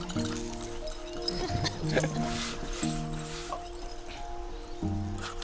あっ。